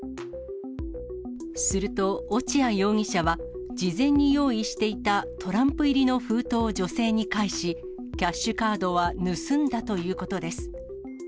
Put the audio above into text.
すると、落合容疑者は、事前に用意していたトランプ入りの封筒を女性に返し、キャッシュカードは盗んだということです。